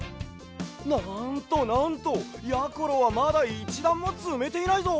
なんとなんとやころはまだ１だんもつめていないぞ。